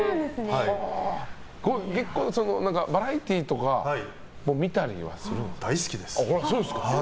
結構、バラエティーとかも見たりするんですか？